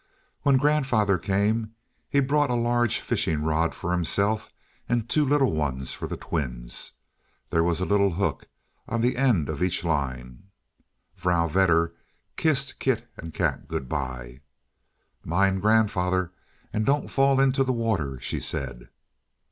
When grandfather came, he brought a large fishing rod for himself and two little ones for the twins. There was a little hook on the end of each line. Vrouw Vedder kissed Kit and Kat good bye. "Mind grandfather, and don't fall into the water," she said.